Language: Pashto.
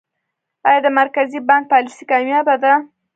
آیا د مرکزي بانک پالیسي کامیابه ده؟